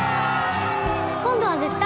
今度は絶対？